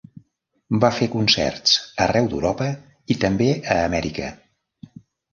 Va fer concerts arreu d'Europa, i també a Amèrica.